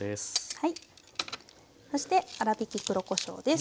そして粗びき黒こしょうです。